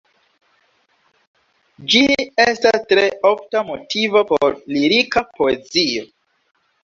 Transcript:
Ĝi estas tre ofta motivo por lirika poezio.